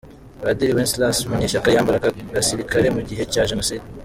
Padiri Wenceslas Munyeshyaka yambaraga gisilikare mugihe cya Jenoside